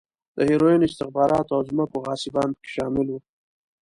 د هیروینو، استخباراتو او ځمکو غاصبان په کې شامل و.